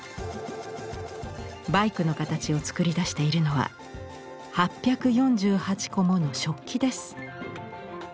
バイクの形を作り出しているのは８４８個もの食器です。